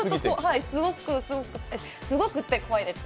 すごくて怖いです。